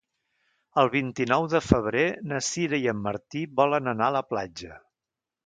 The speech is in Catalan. El vint-i-nou de febrer na Sira i en Martí volen anar a la platja.